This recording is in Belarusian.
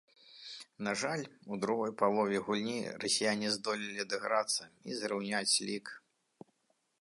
На жаль, у другой палове гульні расіяне здолелі адыграцца і зраўняць лік.